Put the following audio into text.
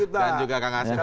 dan juga kang asep